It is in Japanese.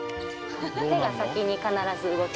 手が先に必ず動く。